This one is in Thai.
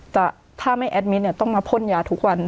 แต่ถ้าไม่แอดมิตรเนี่ยต้องมาพ่นยาทุกวัน